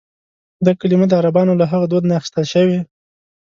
دا کلیمه د عربانو له هغه دود نه اخیستل شوې.